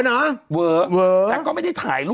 เหวอนะ